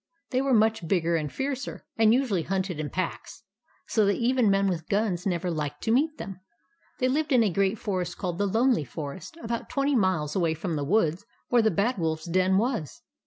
They were much bigger and fiercer, and usually hunted in packs, so that even men with guns never liked to meet them. They lived in a great forest called the Lonely Forest, about twenty miles away from the woods where the Bad Wolfs den was.